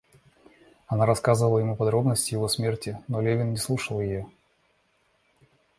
Она рассказывала ему подробности его смерти, но Левин не слушал ее.